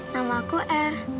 nama aku r